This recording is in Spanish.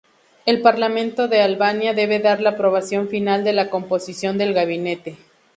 El Parlamento de Albania debe dar la aprobación final de la composición del gabinete.